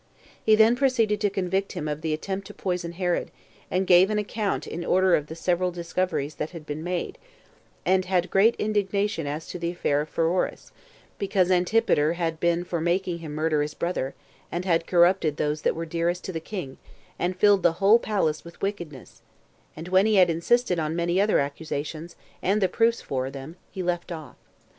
He then proceeded to convict him of the attempt to poison Herod, and gave an account in order of the several discoveries that had been made; and had great indignation as to the affair of Pheroras, because Antipater had been for making him murder his brother, and had corrupted those that were dearest to the king, and filled the whole palace with wickedness; and when he had insisted on many other accusations, and the proofs for them, he left off.